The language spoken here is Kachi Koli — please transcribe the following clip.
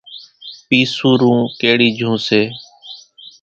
پِيسُورون ڪيڙِي جھون سي۔